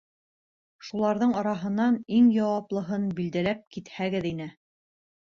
Шуларҙың араһынан иң яуаплыһын билдәләп китһәгеҙ ине.